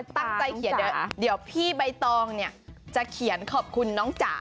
ตั้งใจเขียนเดี๋ยวพี่ใบตองเนี่ยจะเขียนขอบคุณน้องจ๋า